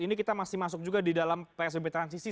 ini kita masih masuk juga di dalam psbb transisi